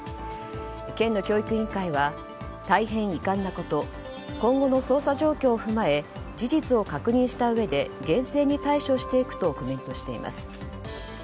県の教育委員会は大変遺憾なこと今後の捜査状況を踏まえ事実を確認したうえで厳正に対処していくとコメントしています。